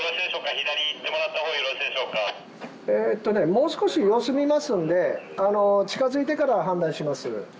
もう少し様子見ますんで近づいてから判断します